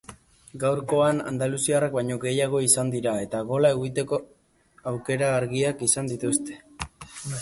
Gaurkoan andaluziarrak baino gehiago izan dira eta gola egiteko aukera argiak izan dituzte.